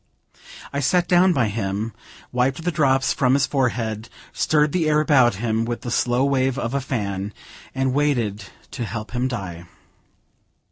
I sat down by him, wiped the drops from his forehead, stirred the air about him with the slow wave of a fan, and waited to help him die.